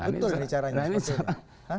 betul caranya seperti itu